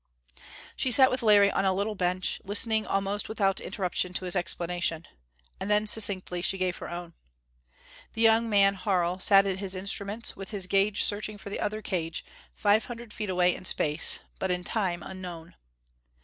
She sat with Larry on a little metal bench, listening, almost without interruption, to his explanation. And then, succinctly she gave her own. The young man, Harl, sat at his instruments, with his gaze searching for the other cage, five hundred feet away in Space, but in Time unknown.